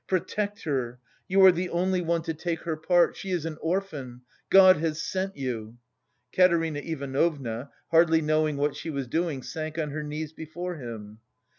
Protect her! You are the only one to take her part! She is an orphan. God has sent you!" Katerina Ivanovna, hardly knowing what she was doing, sank on her knees before him.